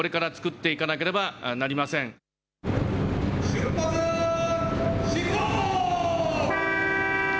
出発進行。